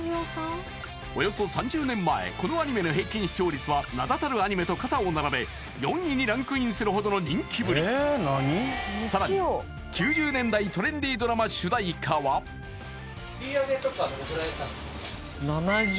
およそ３０年前このアニメの平均視聴率は名だたるアニメと肩を並べ４位にランクインするほどの人気ぶりさらに９０年代トレンディドラマ主題歌は売上とかはどのくらいいったんですか？